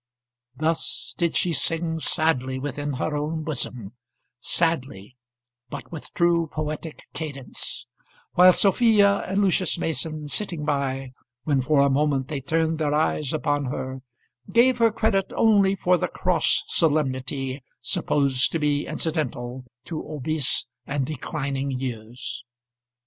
Thus did she sing sadly within her own bosom, sadly, but with true poetic cadence; while Sophia and Lucius Mason, sitting by, when for a moment they turned their eyes upon her, gave her credit only for the cross solemnity supposed to be incidental to obese and declining years.